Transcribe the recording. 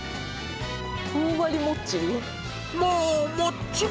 ふんわりもっちり。